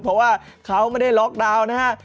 เพราะว่าเขาไม่ได้ล็อกดาวน์นะฮะ